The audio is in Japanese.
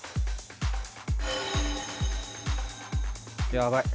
やばい。